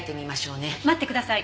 待ってください。